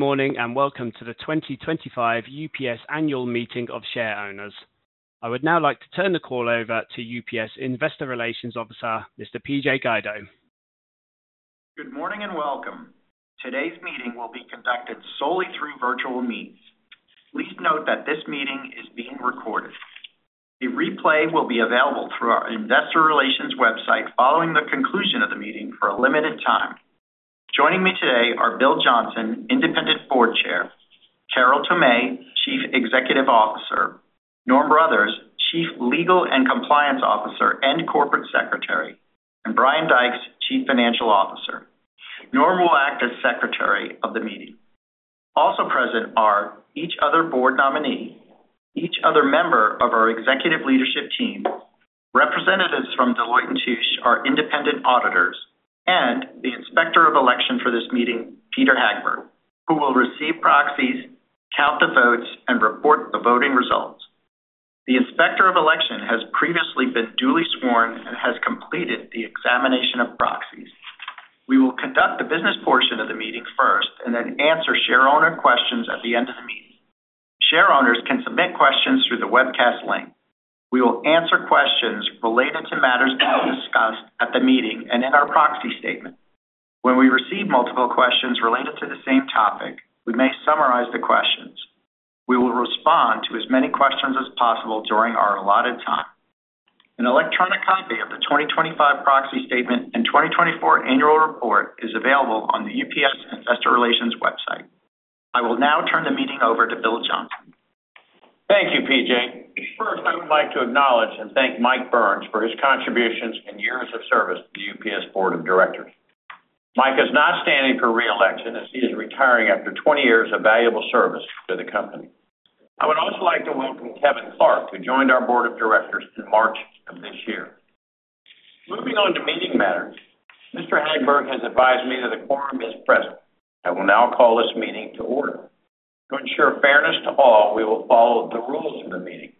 Good morning and welcome to the 2025 UPS Annual Meeting of Shareowners. I would now like to turn the call over to UPS Investor Relations Officer, Mr. PJ Guido. Good morning and welcome. Today's meeting will be conducted solely through virtual means. Please note that this meeting is being recorded. A replay will be available through our Investor Relations website following the conclusion of the meeting for a limited time. Joining me today are Bill Johnson, Independent Board Chair; Carol Tomé, Chief Executive Officer; Norm Brothers, Chief Legal and Compliance Officer and Corporate Secretary; and Brian Dykes, Chief Financial Officer. Norm will act as Secretary of the meeting. Also present are each other board nominee, each other member of our executive leadership team, representatives from Deloitte & Touche, our independent auditors, and the Inspector of Election for this meeting, Peter Hagberg, who will receive proxies, count the votes, and report the voting results. The Inspector of Election has previously been duly sworn and has completed the examination of proxies. We will conduct the business portion of the meeting first and then answer shareholder questions at the end of the meeting. Shareholders can submit questions through the webcast link. We will answer questions related to matters that were discussed at the meeting and in our proxy statement. When we receive multiple questions related to the same topic, we may summarize the questions. We will respond to as many questions as possible during our allotted time. An electronic copy of the 2025 proxy statement and 2024 annual report is available on the UPS Investor Relations website. I will now turn the meeting over to Bill Johnson. Thank you, PJ. First, I would like to acknowledge and thank Mike Burns for his contributions and years of service to the UPS Board of Directors. Mike is not standing for re-election as he is retiring after 20 years of valuable service to the company. I would also like to welcome Kevin Clark, who joined our Board of Directors in March of this year. Moving on to meeting matters, Mr. Hagberg has advised me that a quorum is present. I will now call this meeting to order. To ensure fairness to all, we will follow the rules of the meeting,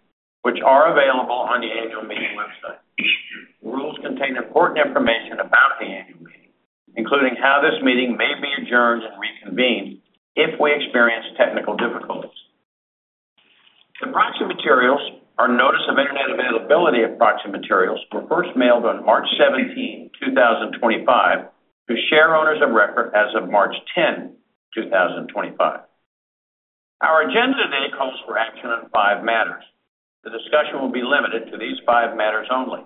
which are available on the annual meeting website. The rules contain important information about the annual meeting, including how this meeting may be adjourned and reconvened if we experience technical difficulties. The proxy materials, or Notice of Internet Availability of Proxy Materials, were first mailed on March 17, 2025, to shareholders of record as of March 10, 2025. Our agenda today calls for action on five matters. The discussion will be limited to these five matters only.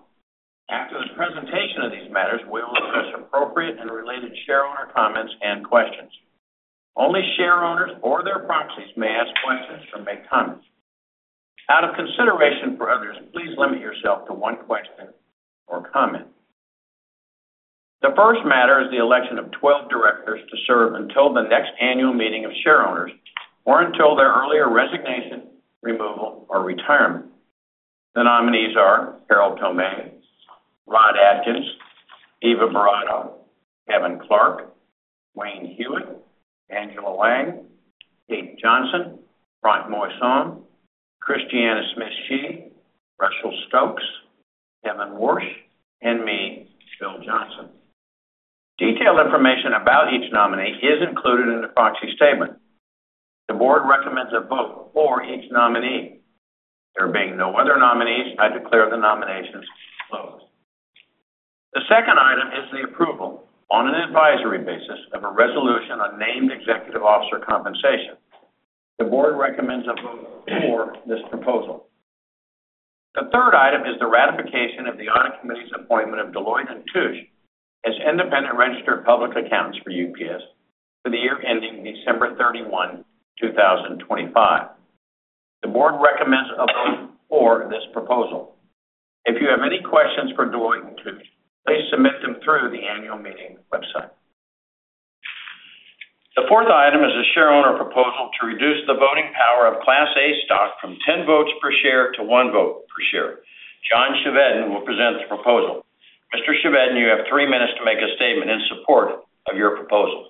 After the presentation of these matters, we will address appropriate and related shareholder comments and questions. Only shareholders or their proxies may ask questions or make comments. Out of consideration for others, please limit yourself to one question or comment. The first matter is the election of 12 directors to serve until the next annual meeting of shareholders or until their earlier resignation, removal, or retirement. The nominees are Carol Tomé, Ron Atkins, Eva Barato, Kevin Clark, Wayne Hewitt, Angela Wang, Kate Johnson, Frank Moyson, Christiana Smith-Shee, Russell Stokes, Kevin Warsh, and me, Bill Johnson. Detailed information about each nominee is included in the proxy statement. The board recommends a vote for each nominee. There being no other nominees, I declare the nominations closed. The second item is the approval, on an advisory basis, of a resolution on named executive officer compensation. The board recommends a vote for this proposal. The third item is the ratification of the audit committee's appointment of Deloitte & Touche LLP as independent registered public accounting firm for UPS for the year ending December 31, 2025. The board recommends a vote for this proposal. If you have any questions for Deloitte & Touche LLP, please submit them through the annual meeting website. The fourth item is a shareholder proposal to reduce the voting power of Class A stock from 10 votes per share to 1 vote per share. John Chevedden will present the proposal. Mr. Chevedin, you have three minutes to make a statement in support of your proposal.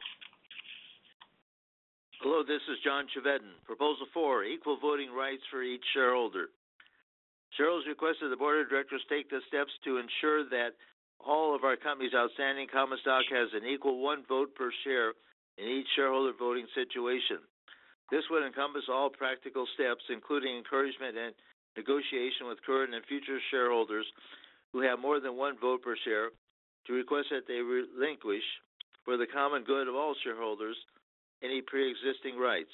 Hello, this is John Chevedden. Proposal four: equal voting rights for each shareholder. Sheryl's request that the board of directors take the steps to ensure that all of our company's outstanding common stock has an equal one vote per share in each shareholder voting situation. This would encompass all practical steps, including encouragement and negotiation with current and future shareholders who have more than one vote per share, to request that they relinquish, for the common good of all shareholders, any pre-existing rights.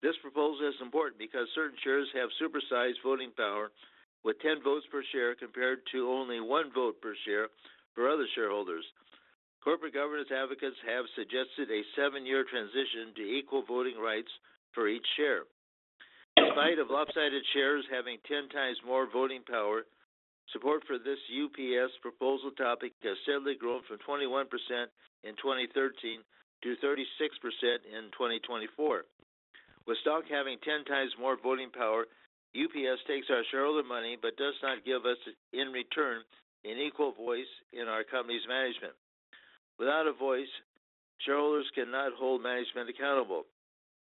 This proposal is important because certain shares have supersized voting power with 10 votes per share compared to only one vote per share for other shareholders. Corporate governance advocates have suggested a seven-year transition to equal voting rights for each share. In spite of lopsided shares having 10 times more voting power, support for this UPS proposal topic has steadily grown from 21% in 2013 to 36% in 2024. With stock having 10 times more voting power, UPS takes our shareholder money but does not give us, in return, an equal voice in our company's management. Without a voice, shareholders cannot hold management accountable.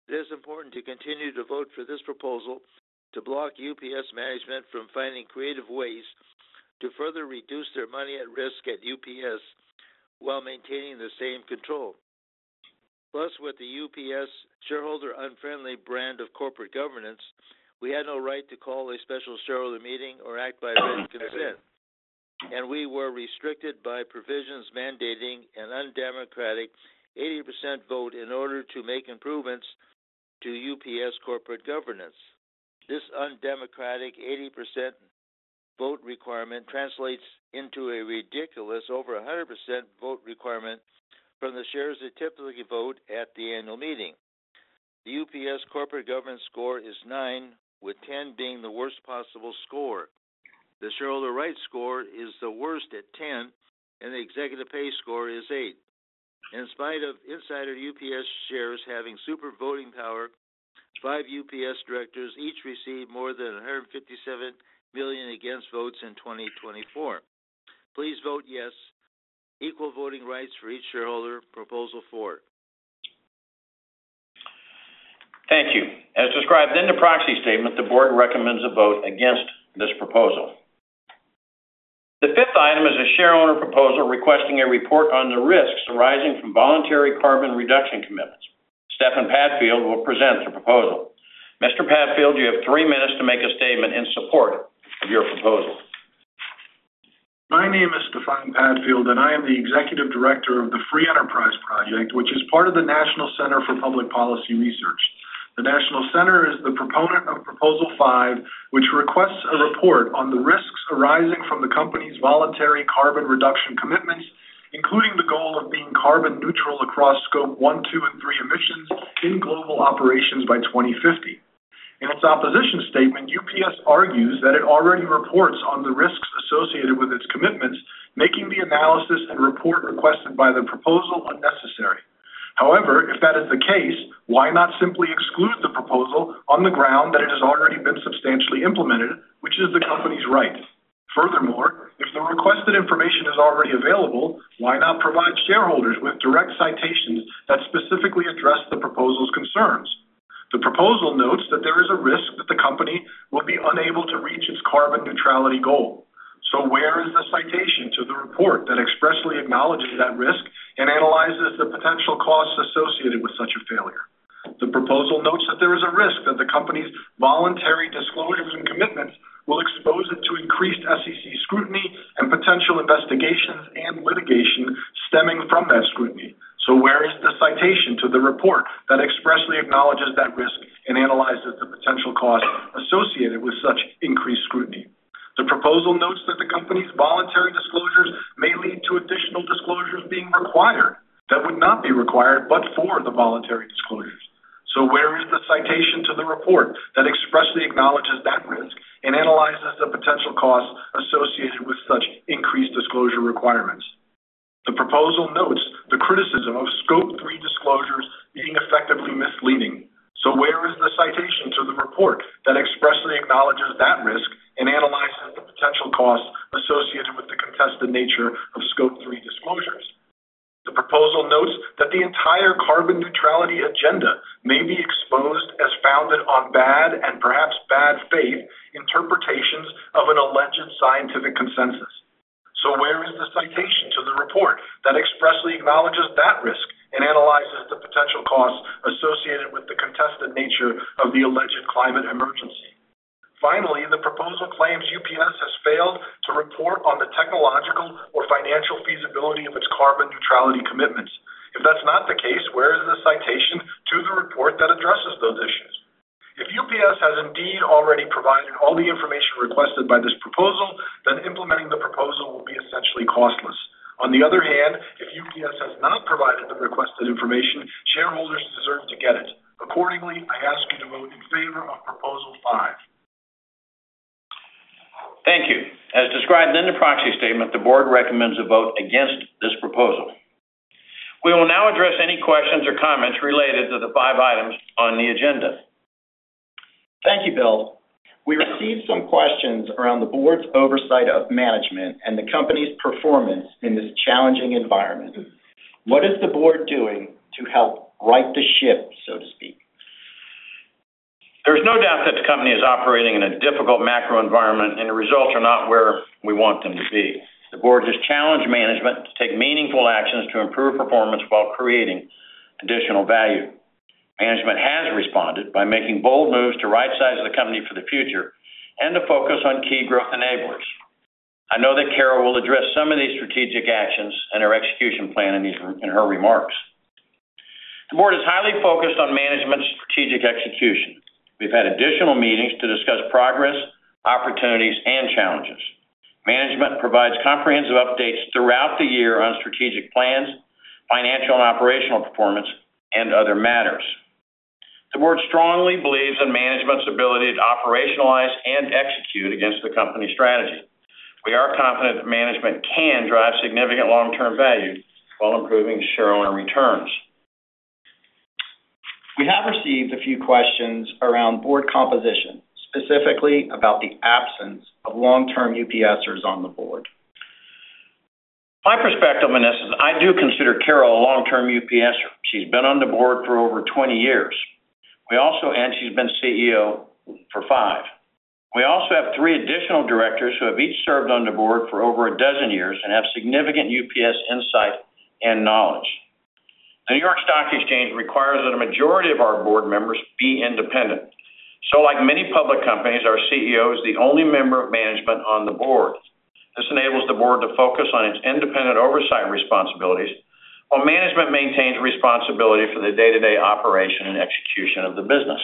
It is important to continue to vote for this proposal to block UPS management from finding creative ways to further reduce their money at risk at UPS while maintaining the same control. Plus, with the UPS shareholder-unfriendly brand of corporate governance, we had no right to call a special shareholder meeting or act by written consent, and we were restricted by provisions mandating an undemocratic 80% vote in order to make improvements to UPS corporate governance. This undemocratic 80% vote requirement translates into a ridiculous over 100% vote requirement from the shares that typically vote at the annual meeting. The UPS corporate governance score is 9, with 10 being the worst possible score. The shareholder rights score is the worst at 10, and the executive pay score is 8. In spite of insider UPS shares having supervoting power, five UPS directors each received more than 157 million against votes in 2024. Please vote yes, equal voting rights for each shareholder. Proposal four. Thank you. As described in the proxy statement, the board recommends a vote against this proposal. The fifth item is a shareholder proposal requesting a report on the risks arising from voluntary carbon reduction commitments. Stefan Padfield will present the proposal. Mr. Padfield, you have three minutes to make a statement in support of your proposal. My name is Stefan Padfield, and I am the Executive Director of the Free Enterprise Project, which is part of the National Center for Public Policy Research. The National Center is the proponent of Proposal Five, which requests a report on the risks arising from the company's voluntary carbon reduction commitments, including the goal of being carbon neutral across Scope One, Two, and Three emissions in global operations by 2050. In its opposition statement, UPS argues that it already reports on the risks associated with its commitments, making the analysis and report requested by the proposal unnecessary. However, if that is the case, why not simply exclude the proposal on the ground that it has already been substantially implemented, which is the company's right? Furthermore, if the requested information is already available, why not provide shareholders with direct citations that specifically address the proposal's concerns? The proposal notes that there is a risk that the company will be unable to reach its carbon neutrality goal. Where is the citation to the report that expressly acknowledges that risk and analyzes the potential costs associated with such a failure? The proposal notes that there is a risk that the company's voluntary disclosures and commitments will expose it to increased SEC scrutiny and potential investigations and litigation stemming from that scrutiny. Where is the citation to the report that expressly acknowledges that risk and analyzes the potential costs associated with such increased scrutiny? The proposal notes that the company's voluntary disclosures may lead to additional disclosures being required that would not be required but for the voluntary disclosures. Where is the citation to the report that expressly acknowledges that risk and analyzes the potential costs associated with such increased disclosure requirements? The proposal notes the criticism of Scope Three disclosures being effectively misleading. Where is the citation to the report that expressly acknowledges that risk and analyzes the potential costs associated with the contested nature of Scope Three disclosures? The proposal notes that the entire carbon neutrality agenda may be exposed as founded on bad and perhaps bad faith interpretations of an alleged scientific consensus. Where is the citation to the report that expressly acknowledges that risk and analyzes the potential costs associated with the contested nature of the alleged climate emergency? Finally, the proposal claims UPS has failed to report on the technological or financial feasibility of its carbon neutrality commitments. If that's not the case, where is the citation to the report that addresses those issues? If UPS has indeed already provided all the information requested by this proposal, then implementing the proposal will be essentially costless. On the other hand, if UPS has not provided the requested information, shareholders deserve to get it. Accordingly, I ask you to vote in favor of Proposal Five. Thank you. As described in the proxy statement, the board recommends a vote against this proposal. We will now address any questions or comments related to the five items on the agenda. Thank you, Bill. We received some questions around the board's oversight of management and the company's performance in this challenging environment. What is the board doing to help right the ship, so to speak? There's no doubt that the company is operating in a difficult macro environment, and the results are not where we want them to be. The board has challenged management to take meaningful actions to improve performance while creating additional value. Management has responded by making bold moves to right-size the company for the future and to focus on key growth enablers. I know that Carol will address some of these strategic actions and her execution plan in her remarks. The board is highly focused on management's strategic execution. We've had additional meetings to discuss progress, opportunities, and challenges. Management provides comprehensive updates throughout the year on strategic plans, financial and operational performance, and other matters. The board strongly believes in management's ability to operationalize and execute against the company's strategy. We are confident that management can drive significant long-term value while improving shareholder returns. We have received a few questions around board composition, specifically about the absence of long-term UPSers on the board. My perspective, Anissa, is I do consider Carol a long-term UPSer. She's been on the board for over 20 years. We also add she's been CEO for five. We also have three additional directors who have each served on the board for over a dozen years and have significant UPS insight and knowledge. The New York Stock Exchange requires that a majority of our board members be independent. Like many public companies, our CEO is the only member of management on the board. This enables the board to focus on its independent oversight responsibilities while management maintains responsibility for the day-to-day operation and execution of the business.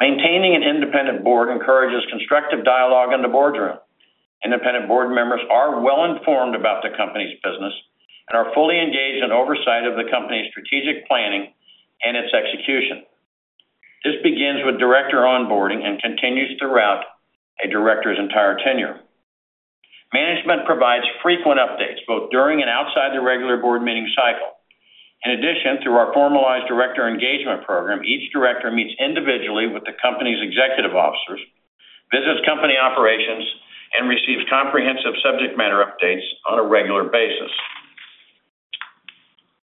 Maintaining an independent board encourages constructive dialogue in the boardroom. Independent board members are well-informed about the company's business and are fully engaged in oversight of the company's strategic planning and its execution. This begins with director onboarding and continues throughout a director's entire tenure. Management provides frequent updates both during and outside the regular board meeting cycle. In addition, through our formalized director engagement program, each director meets individually with the company's executive officers, visits company operations, and receives comprehensive subject matter updates on a regular basis.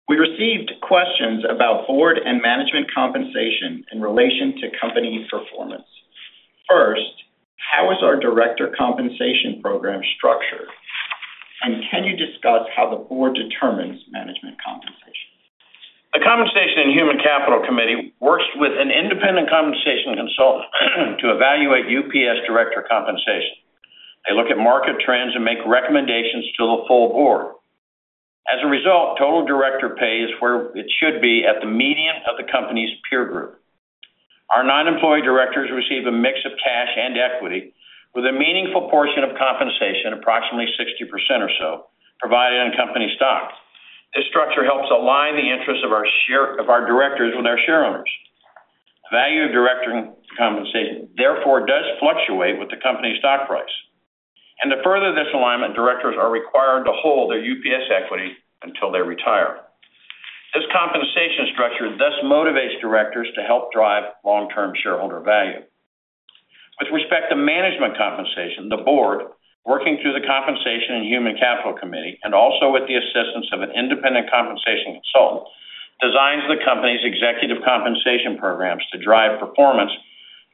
We received questions about board and management compensation in relation to company performance. First, how is our director compensation program structured? Can you discuss how the board determines management compensation? The Compensation and Human Capital Committee works with an independent compensation consultant to evaluate UPS director compensation. They look at market trends and make recommendations to the full board. As a result, total director pay is where it should be at the median of the company's peer group. Our non-employee directors receive a mix of cash and equity with a meaningful portion of compensation, approximately 60% or so, provided on company stock. This structure helps align the interests of our directors with our share owners. The value of director compensation, therefore, does fluctuate with the company's stock price. To further this alignment, directors are required to hold their UPS equity until they retire. This compensation structure thus motivates directors to help drive long-term shareholder value. With respect to management compensation, the board, working through the Compensation and Human Capital Committee and also with the assistance of an independent compensation consultant, designs the company's executive compensation programs to drive performance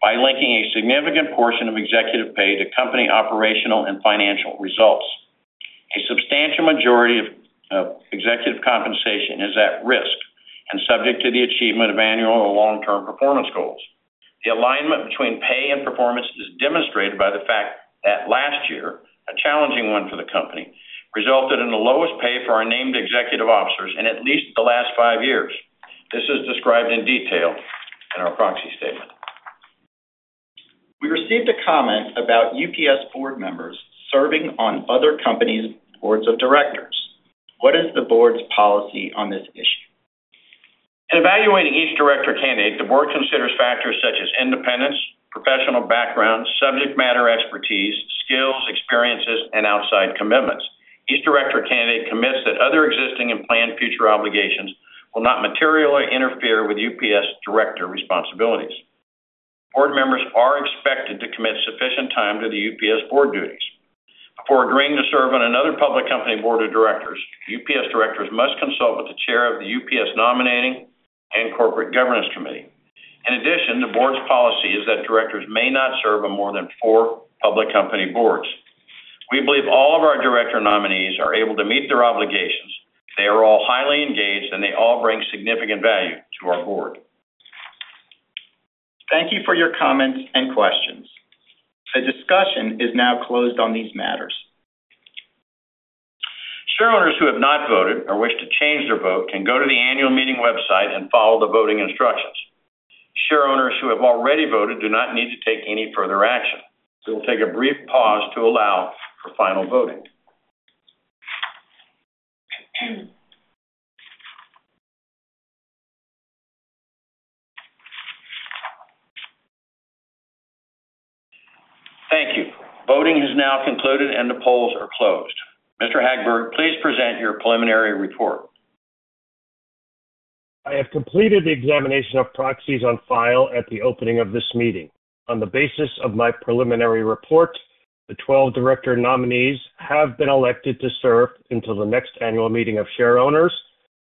by linking a significant portion of executive pay to company operational and financial results. A substantial majority of executive compensation is at risk and subject to the achievement of annual or long-term performance goals. The alignment between pay and performance is demonstrated by the fact that last year, a challenging one for the company, resulted in the lowest pay for our named executive officers in at least the last five years. This is described in detail in our proxy statement. We received a comment about UPS board members serving on other companies' boards of directors. What is the board's policy on this issue? In evaluating each director candidate, the board considers factors such as independence, professional background, subject matter expertise, skills, experiences, and outside commitments. Each director candidate commits that other existing and planned future obligations will not materially interfere with UPS director responsibilities. Board members are expected to commit sufficient time to the UPS board duties. Before agreeing to serve on another public company board of directors, UPS directors must consult with the chair of the UPS nominating and corporate governance committee. In addition, the board's policy is that directors may not serve on more than four public company boards. We believe all of our director nominees are able to meet their obligations. They are all highly engaged, and they all bring significant value to our board. Thank you for your comments and questions. The discussion is now closed on these matters. Shareholders who have not voted or wish to change their vote can go to the annual meeting website and follow the voting instructions. Shareholders who have already voted do not need to take any further action. We will take a brief pause to allow for final voting. Thank you. Voting has now concluded, and the polls are closed. Mr. Hagberg, please present your preliminary report. I have completed the examination of proxies on file at the opening of this meeting. On the basis of my preliminary report, the 12 director nominees have been elected to serve until the next annual meeting of shareowners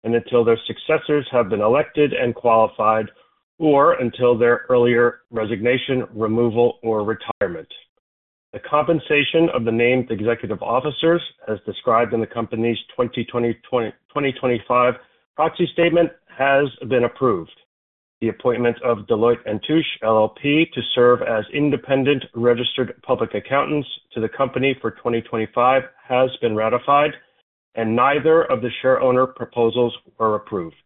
and until their successors have been elected and qualified or until their earlier resignation, removal, or retirement. The compensation of the named executive officers, as described in the company's 2025 proxy statement, has been approved. The appointment of Deloitte & Touche LLP to serve as independent registered public accountants to the company for 2025 has been ratified, and neither of the shareholder proposals were approved.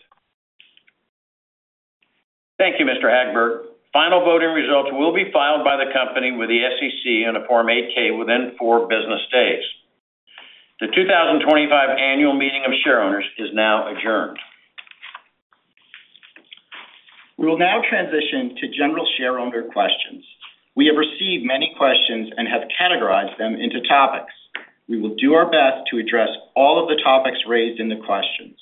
Thank you, Mr. Hagberg. Final voting results will be filed by the company with the SEC on a Form 8-K within four business days. The 2025 annual meeting of shareowners is now adjourned. We will now transition to general shareholder questions. We have received many questions and have categorized them into topics. We will do our best to address all of the topics raised in the questions.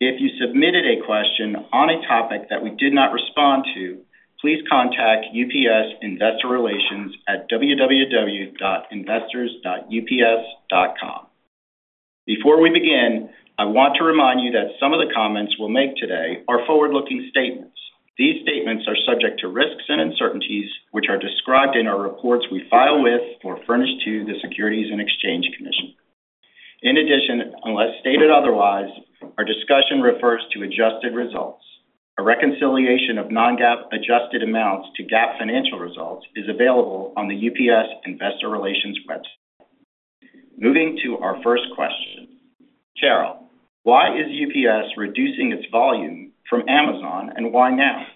If you submitted a question on a topic that we did not respond to, please contact UPS Investor Relations at www.investors.ups.com. Before we begin, I want to remind you that some of the comments we'll make today are forward-looking statements. These statements are subject to risks and uncertainties, which are described in our reports we file with or furnish to the Securities and Exchange Commission. In addition, unless stated otherwise, our discussion refers to adjusted results. A reconciliation of non-GAAP adjusted amounts to GAAP financial results is available on the UPS Investor Relations website. Moving to our first question. Carol, why is UPS reducing its volume from Amazon, and why now?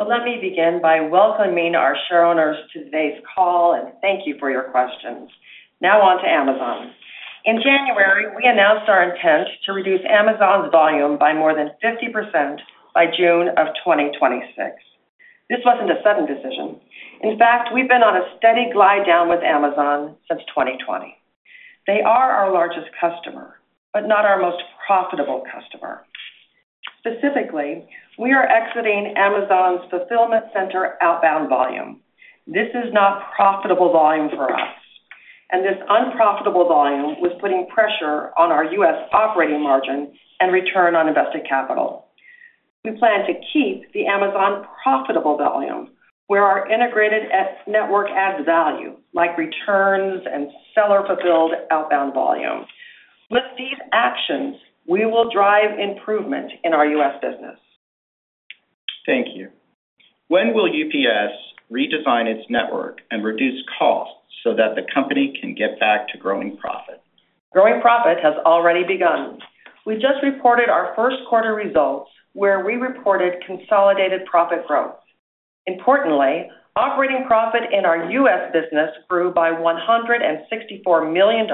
Let me begin by welcoming our shareholders to today's call and thank you for your questions. Now on to Amazon. In January, we announced our intent to reduce Amazon's volume by more than 50% by June of 2026. This was not a sudden decision. In fact, we have been on a steady glide down with Amazon since 2020. They are our largest customer, but not our most profitable customer. Specifically, we are exiting Amazon's fulfillment center outbound volume. This is not profitable volume for us. This unprofitable volume was putting pressure on our U.S. operating margin and return on invested capital. We plan to keep the Amazon profitable volume where our integrated network adds value, like returns and seller-fulfilled outbound volume. With these actions, we will drive improvement in our U.S. business. Thank you. When will UPS redesign its network and reduce costs so that the company can get back to growing profit? Growing profit has already begun. We just reported our first quarter results where we reported consolidated profit growth. Importantly, operating profit in our U.S. business grew by $164 million,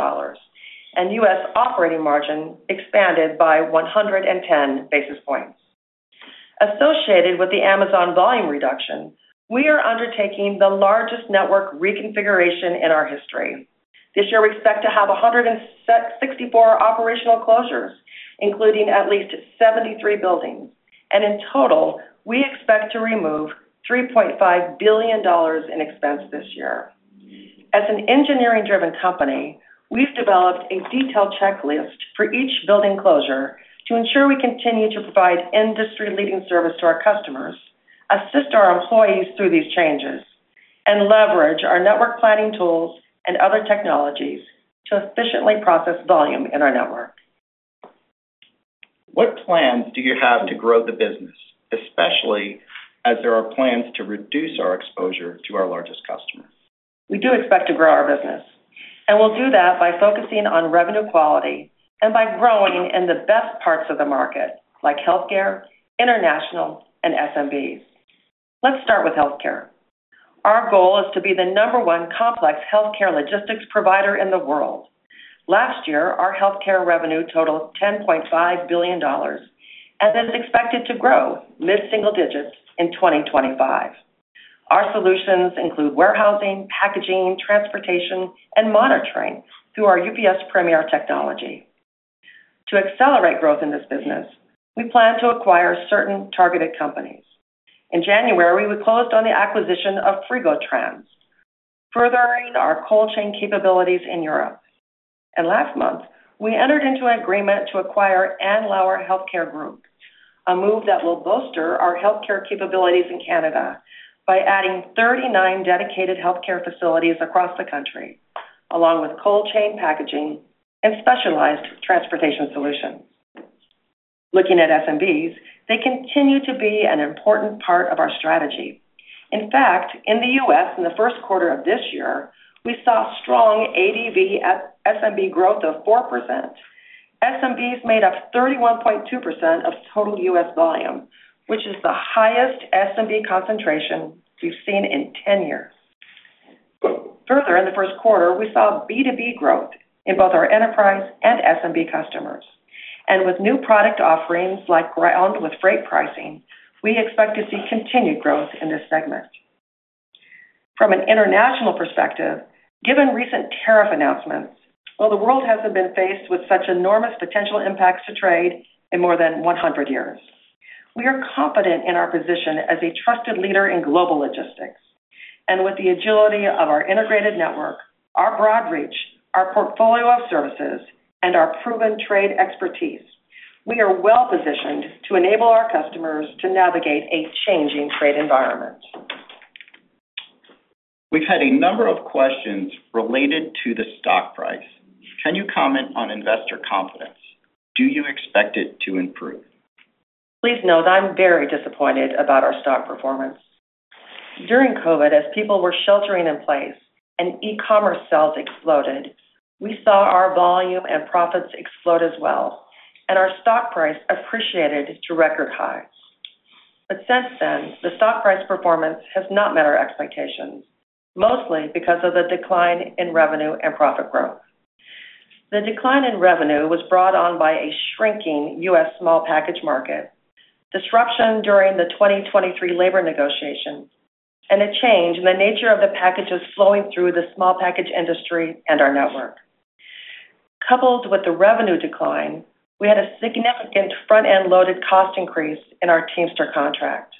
and U.S. operating margin expanded by 110 basis points. Associated with the Amazon volume reduction, we are undertaking the largest network reconfiguration in our history. This year, we expect to have 164 operational closures, including at least 73 buildings. In total, we expect to remove $3.5 billion in expense this year. As an engineering-driven company, we have developed a detailed checklist for each building closure to ensure we continue to provide industry-leading service to our customers, assist our employees through these changes, and leverage our network planning tools and other technologies to efficiently process volume in our network. What plans do you have to grow the business, especially as there are plans to reduce our exposure to our largest customer? We do expect to grow our business. We will do that by focusing on revenue quality and by growing in the best parts of the market, like healthcare, international, and SMBs. Let's start with healthcare. Our goal is to be the number one complex healthcare logistics provider in the world. Last year, our healthcare revenue totaled $10.5 billion and is expected to grow mid-single digits in 2025. Our solutions include warehousing, packaging, transportation, and monitoring through our UPS Premier technology. To accelerate growth in this business, we plan to acquire certain targeted companies. In January, we closed on the acquisition of Frigo-Trans, furthering our cold chain capabilities in Europe. Last month, we entered into an agreement to acquire Andlauer Healthcare Group, a move that will bolster our healthcare capabilities in Canada by adding 39 dedicated healthcare facilities across the country, along with cold chain packaging and specialized transportation solutions. Looking at SMBs, they continue to be an important part of our strategy. In fact, in the U.S., in the first quarter of this year, we saw strong ADV SMB growth of 4%. SMBs made up 31.2% of total U.S. volume, which is the highest SMB concentration we have seen in 10 years. Further, in the first quarter, we saw B2B growth in both our enterprise and SMB customers. With new product offerings like Ground with Freight Pricing, we expect to see continued growth in this segment. From an international perspective, given recent tariff announcements, while the world has not been faced with such enormous potential impacts to trade in more than 100 years, we are confident in our position as a trusted leader in global logistics. With the agility of our integrated network, our broad reach, our portfolio of services, and our proven trade expertise, we are well-positioned to enable our customers to navigate a changing trade environment. We've had a number of questions related to the stock price. Can you comment on investor confidence? Do you expect it to improve? Please know that I'm very disappointed about our stock performance. During COVID, as people were sheltering in place and e-commerce sales exploded, we saw our volume and profits explode as well, and our stock price appreciated to record highs. Since then, the stock price performance has not met our expectations, mostly because of the decline in revenue and profit growth. The decline in revenue was brought on by a shrinking U.S. small package market, disruption during the 2023 labor negotiations, and a change in the nature of the packages flowing through the small package industry and our network. Coupled with the revenue decline, we had a significant front-end loaded cost increase in our Teamster contract.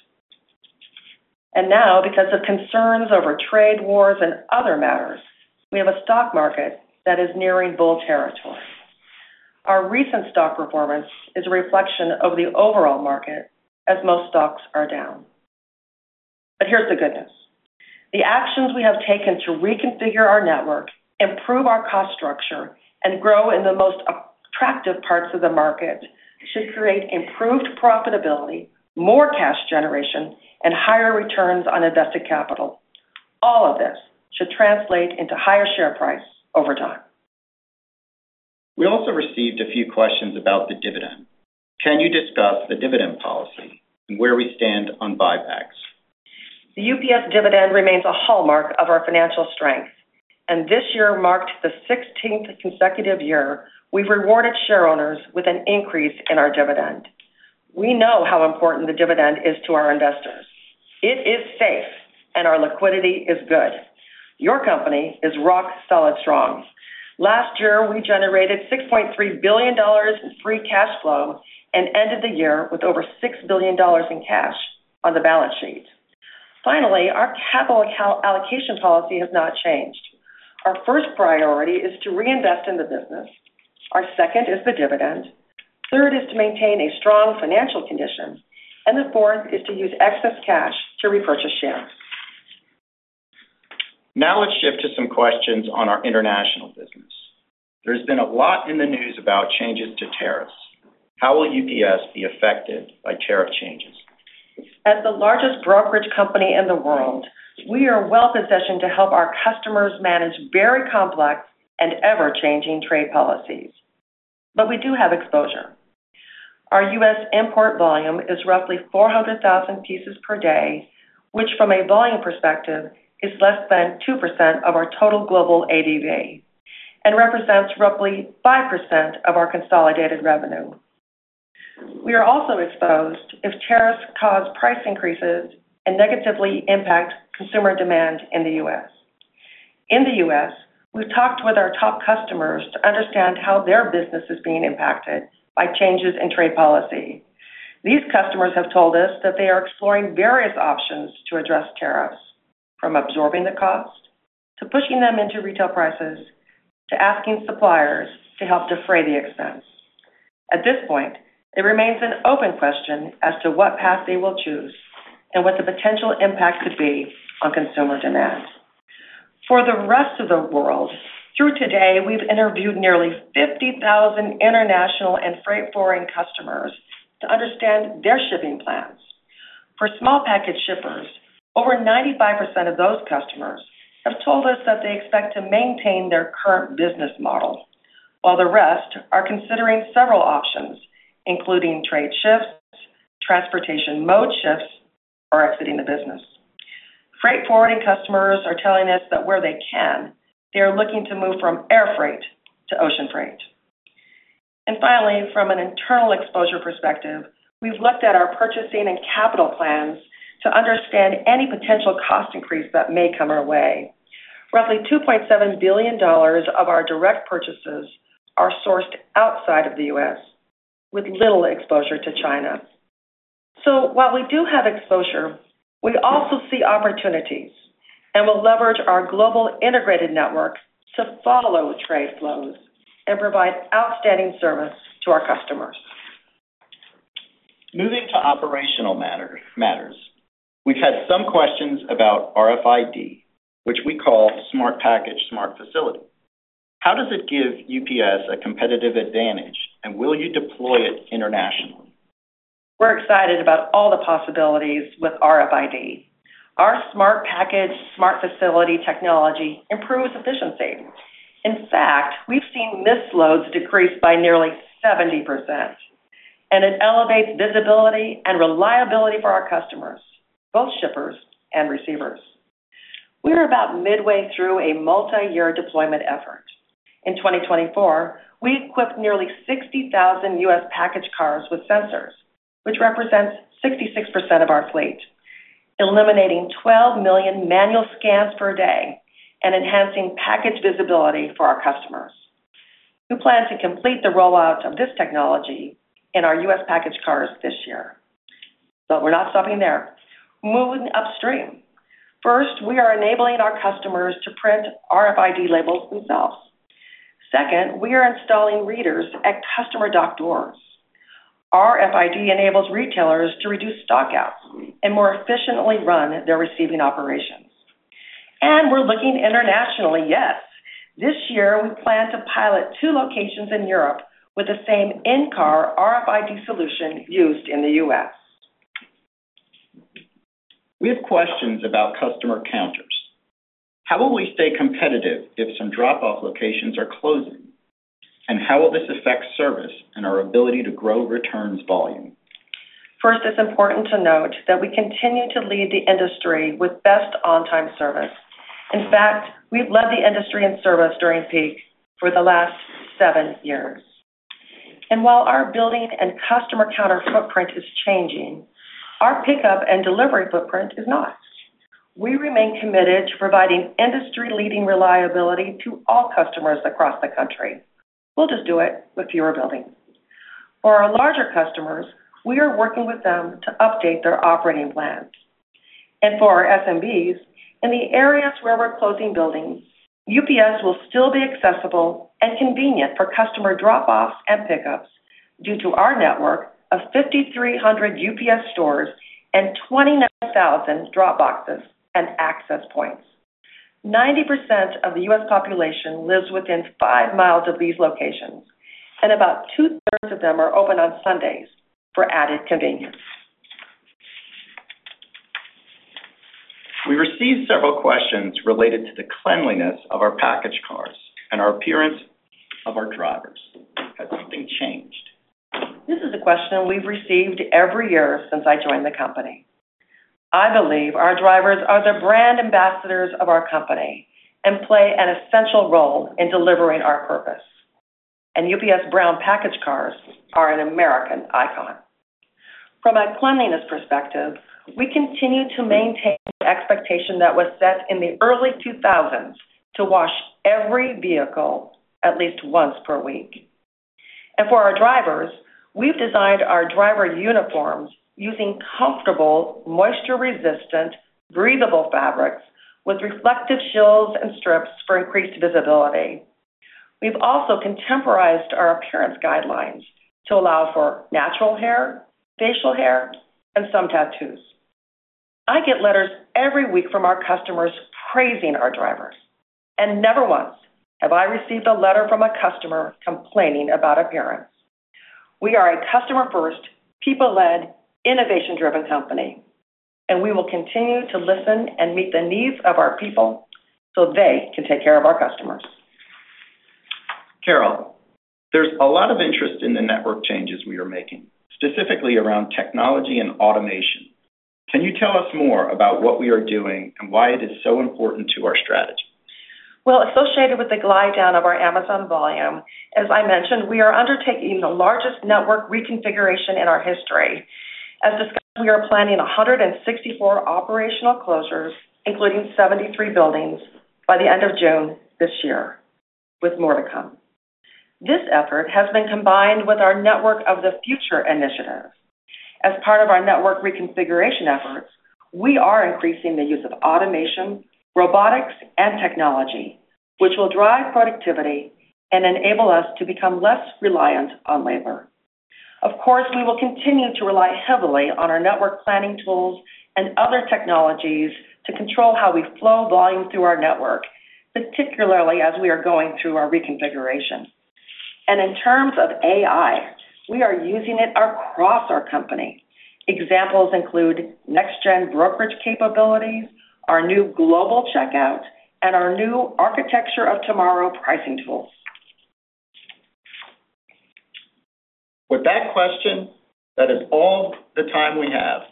Now, because of concerns over trade wars and other matters, we have a stock market that is nearing bull territory. Our recent stock performance is a reflection of the overall market, as most stocks are down. Here is the good news. The actions we have taken to reconfigure our network, improve our cost structure, and grow in the most attractive parts of the market should create improved profitability, more cash generation, and higher returns on invested capital. All of this should translate into higher share price over time. We also received a few questions about the dividend. Can you discuss the dividend policy and where we stand on buybacks? The UPS dividend remains a hallmark of our financial strength. This year marked the 16th consecutive year we've rewarded shareholders with an increase in our dividend. We know how important the dividend is to our investors. It is safe, and our liquidity is good. Your company is rock solid strong. Last year, we generated $6.3 billion in free cash flow and ended the year with over $6 billion in cash on the balance sheet. Finally, our capital allocation policy has not changed. Our first priority is to reinvest in the business. Our second is the dividend. Third is to maintain a strong financial condition. The fourth is to use excess cash to repurchase shares. Now let's shift to some questions on our international business. There's been a lot in the news about changes to tariffs. How will UPS be affected by tariff changes? As the largest brokerage company in the world, we are well-possessed to help our customers manage very complex and ever-changing trade policies. We do have exposure. Our U.S. import volume is roughly 400,000 pieces per day, which from a volume perspective is less than 2% of our total global ADV and represents roughly 5% of our consolidated revenue. We are also exposed if tariffs cause price increases and negatively impact consumer demand in the U.S. In the U.S., we've talked with our top customers to understand how their business is being impacted by changes in trade policy. These customers have told us that they are exploring various options to address tariffs, from absorbing the cost to pushing them into retail prices to asking suppliers to help defray the expense. At this point, it remains an open question as to what path they will choose and what the potential impact could be on consumer demand. For the rest of the world, through today, we've interviewed nearly 50,000 international and freight forwarding customers to understand their shipping plans. For small package shippers, over 95% of those customers have told us that they expect to maintain their current business model, while the rest are considering several options, including trade shifts, transportation mode shifts, or exiting the business. Freight forwarding customers are telling us that where they can, they are looking to move from air freight to ocean freight. Finally, from an internal exposure perspective, we've looked at our purchasing and capital plans to understand any potential cost increase that may come our way. Roughly $2.7 billion of our direct purchases are sourced outside of the U.S., with little exposure to China. While we do have exposure, we also see opportunities and will leverage our global integrated network to follow trade flows and provide outstanding service to our customers. Moving to operational matters, we've had some questions about RFID, which we call smart package smart facility. How does it give UPS a competitive advantage, and will you deploy it internationally? We're excited about all the possibilities with RFID. Our smart package smart facility technology improves efficiency. In fact, we've seen missed loads decrease by nearly 70%. It elevates visibility and reliability for our customers, both shippers and receivers. We're about midway through a multi-year deployment effort. In 2024, we equipped nearly 60,000 U.S. package cars with sensors, which represents 66% of our fleet, eliminating 12 million manual scans per day and enhancing package visibility for our customers. We plan to complete the rollout of this technology in our U.S. package cars this year. We're not stopping there. Moving upstream. First, we are enabling our customers to print RFID labels themselves. Second, we are installing readers at customer dock doors. RFID enables retailers to reduce stockouts and more efficiently run their receiving operations. We're looking internationally, yes. This year, we plan to pilot two locations in Europe with the same in-car RFID solution used in the U.S. We have questions about customer counters. How will we stay competitive if some drop-off locations are closing? How will this affect service and our ability to grow returns volume? First, it's important to note that we continue to lead the industry with best on-time service. In fact, we've led the industry in service during peak for the last seven years. While our building and customer counter footprint is changing, our pickup and delivery footprint is not. We remain committed to providing industry-leading reliability to all customers across the country. We'll just do it with fewer buildings. For our larger customers, we are working with them to update their operating plans. For our SMBs, in the areas where we're closing buildings, UPS will still be accessible and convenient for customer drop-offs and pickups due to our network of 5,300 UPS stores and 29,000 drop boxes and access points. 90% of the U.S. population lives within five miles of these locations, and about two-thirds of them are open on Sundays for added convenience. We received several questions related to the cleanliness of our package cars and our appearance of our drivers. Has something changed? This is a question we've received every year since I joined the company. I believe our drivers are the brand ambassadors of our company and play an essential role in delivering our purpose. UPS brown package cars are an American icon. From a cleanliness perspective, we continue to maintain the expectation that was set in the early 2000s to wash every vehicle at least once per week. For our drivers, we've designed our driver uniforms using comfortable, moisture-resistant, breathable fabrics with reflective shields and strips for increased visibility. We've also contemporized our appearance guidelines to allow for natural hair, facial hair, and some tattoos. I get letters every week from our customers praising our drivers. Never once have I received a letter from a customer complaining about appearance. We are a customer-first, people-led, innovation-driven company. We will continue to listen and meet the needs of our people so they can take care of our customers. Carol, there's a lot of interest in the network changes we are making, specifically around technology and automation. Can you tell us more about what we are doing and why it is so important to our strategy? Associated with the glide down of our Amazon volume, as I mentioned, we are undertaking the largest network reconfiguration in our history. As discussed, we are planning 164 operational closures, including 73 buildings, by the end of June this year, with more to come. This effort has been combined with our network of the future initiatives. As part of our network reconfiguration efforts, we are increasing the use of automation, robotics, and technology, which will drive productivity and enable us to become less reliant on labor. Of course, we will continue to rely heavily on our network planning tools and other technologies to control how we flow volume through our network, particularly as we are going through our reconfiguration. In terms of AI, we are using it across our company. Examples include next-gen brokerage capabilities, our new global checkout, and our new architecture of tomorrow pricing tools. With that question, that is all the time we have.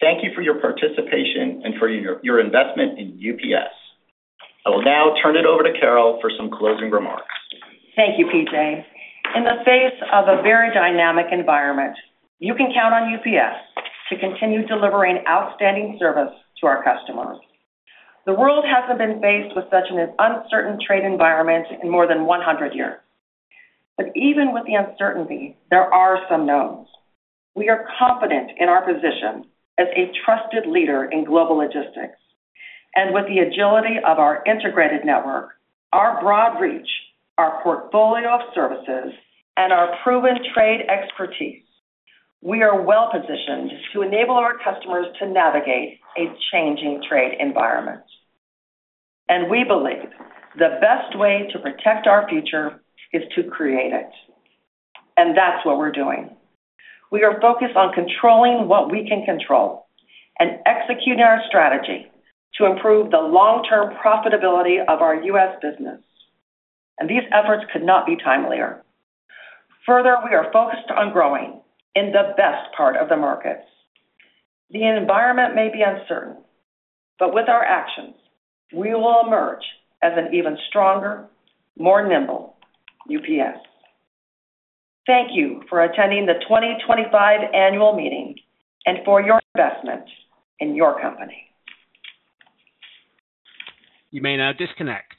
Thank you for your participation and for your investment in UPS. I will now turn it over to Carol for some closing remarks. Thank you, P.J. In the face of a very dynamic environment, you can count on UPS to continue delivering outstanding service to our customers. The world has not been faced with such an uncertain trade environment in more than 100 years. Even with the uncertainty, there are some knowns. We are confident in our position as a trusted leader in global logistics. With the agility of our integrated network, our broad reach, our portfolio of services, and our proven trade expertise, we are well-positioned to enable our customers to navigate a changing trade environment. We believe the best way to protect our future is to create it. That is what we are doing. We are focused on controlling what we can control and executing our strategy to improve the long-term profitability of our U.S. business. These efforts could not be timelier. Further, we are focused on growing in the best part of the markets. The environment may be uncertain, but with our actions, we will emerge as an even stronger, more nimble UPS. Thank you for attending the 2025 annual meeting and for your investment in your company. You may now disconnect.